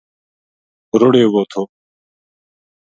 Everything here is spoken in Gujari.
رُڑیو وو تھو